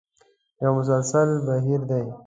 یو مسلسل بهیر دی.